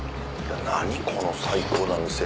何この最高な店。